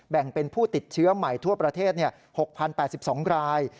แบ่งเป็นผู้ติดเชื้อใหม่ทั่วประเทศ๖๐๘๒ราย